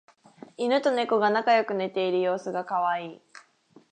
イヌとネコが仲良く寝ている様子がカワイイ